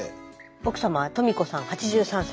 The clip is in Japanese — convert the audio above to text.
奥様とみ子さん８３歳。